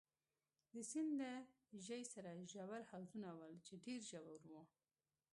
د سیند له ژۍ سره ژور حوضونه ول، چې ډېر ژور وو.